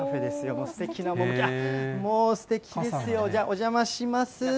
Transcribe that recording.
もうすてきな、あっ、もうすてきですよ、じゃあ、お邪魔します。